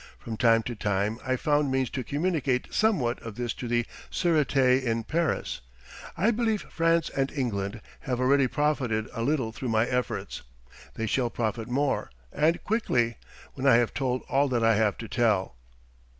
From time to time I found means to communicate somewhat of this to the Surété in Paris. I believe France and England have already profited a little through my efforts. They shall profit more, and quickly, when I have told all that I have to tell....